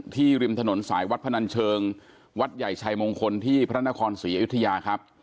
ริมถนนสายวัดพนันเชิงวัดใหญ่ชัยมงคลที่พระนครศรีอยุธยาครับ